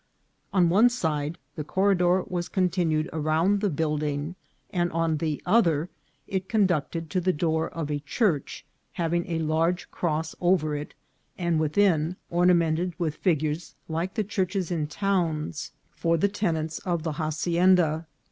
On one side the corridor was continued around the building, and on the other it conducted to the door of a church having a large cross over it, and within ornamented with figures like the churches in towns, for the tenants of the ha 404 INCIDENTS OF TRAVEL. cienda.